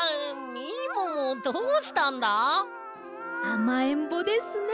あまえんぼですね。